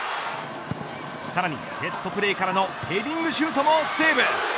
さらにセットプレーからのヘディングシュートもセーブ。